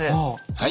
はい。